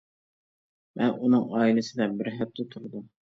مەن ئۇنىڭ ئائىلىسىدە بىر ھەپتە تۇردۇم.